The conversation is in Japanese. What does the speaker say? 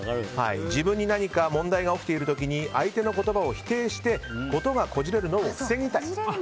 自分に何か問題が起きている時に相手の言葉を否定してことがこじれるのを防ぎたいと。